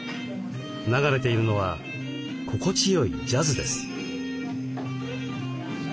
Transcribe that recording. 流れているのは心地よいジャズです。